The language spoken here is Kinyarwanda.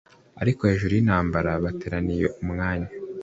ariko, hejuru yintambara, bateraniye umwanya